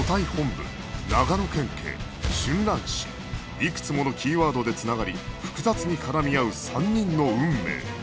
いくつものキーワードで繋がり複雑に絡み合う３人の運命